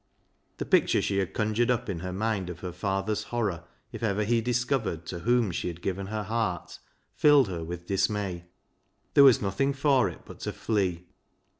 The picture she had conjured up in her mind of her father's horror, if ever he discovered to whom she had given her heart, filled her with dismay. There was nothing for it but to flee.